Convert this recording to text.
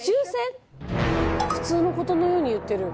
普通のことのように言ってる。